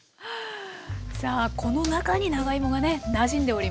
さあこの中に長芋がねなじんでおります。